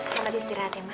selamat istirahat ya ma